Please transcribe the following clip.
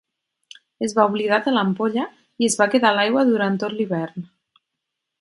Es va oblidar de l'ampolla i es va quedar a l'aigua durant tot l'hivern.